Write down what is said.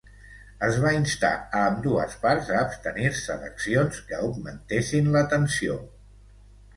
Es va instar a ambdues parts a abstenir-se d'accions que augmentessin la tensió.